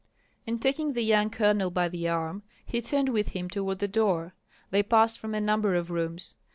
And taking the young colonel by the arm, he turned with him toward the door. They passed through a number of rooms.